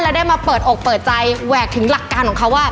แล้วได้มาเปิดอกเปิดใจแหวกถึงหลักการของเขาว่า